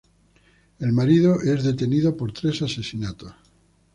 El marido es detenido por tres asesinatos.